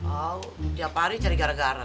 oh tiap hari cari gara gara